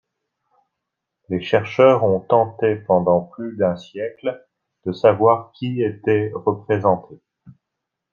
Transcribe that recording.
Les chercheurs ont tenté pendant plus d'un siècle de savoir qui était représenté.